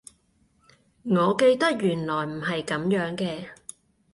我記得原來唔係噉樣嘅